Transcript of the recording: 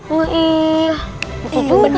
bener apa kata bapak tadi